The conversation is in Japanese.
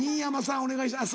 お願いします。